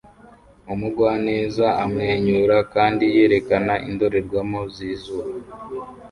Umugwaneza amwenyura kandi yerekana indorerwamo zizuba